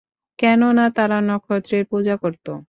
কেননা, তারা নক্ষত্রের পূজা করত।